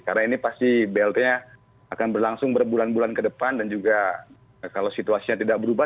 karena ini pasti blt nya akan berlangsung berbulan bulan ke depan dan juga kalau situasinya tidak berubah